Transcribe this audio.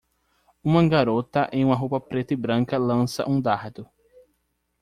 Uma garota em uma roupa preta e branca lança um dardo